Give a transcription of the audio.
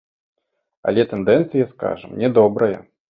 Але тэндэнцыя, скажам, не добрая.